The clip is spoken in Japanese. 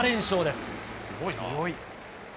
すごいな。